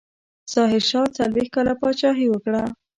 ظاهرشاه څلوېښت کاله پاچاهي وکړه.